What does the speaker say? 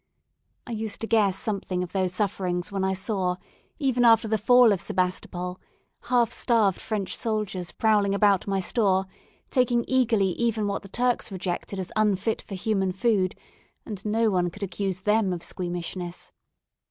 I used to guess something of those sufferings when I saw, even after the fall of Sebastopol, half starved French soldiers prowling about my store, taking eagerly even what the Turks rejected as unfit for human food; and no one could accuse them of squeamishness.